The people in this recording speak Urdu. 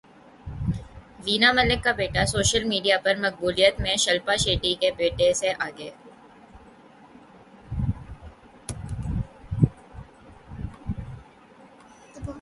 وینا ملک کا بیٹا سوشل میڈیا پر مقبولیت میں شلپا شیٹھی کے بیٹے سے آگے